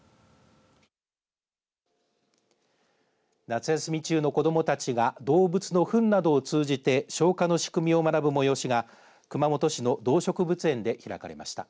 夏休み中の子どもたちが動物のふんなどを通じて消化の仕組みや学ぶ催しが熊本市の動植物園で開かれました。